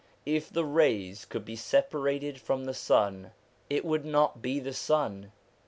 If the rays could be separated from the sun, it would not be the sun.